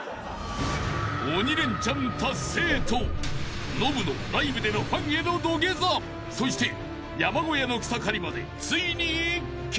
［鬼レンチャン達成とノブのライブでのファンへの土下座そして山小屋の草刈りまでついに１曲］